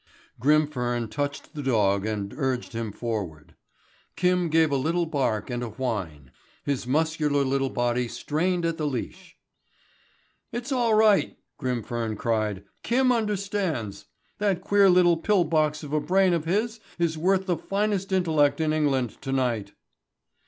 Grimfern touched the dog and urged him forward. Kim gave a little bark and a whine. His muscular little body strained at the leash. "It's all right," Grimfern cried. "Kim understands. That queer little pill box of a brain of his is worth the finest intellect in England to night."